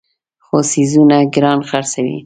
خو څیزونه ګران خرڅوي.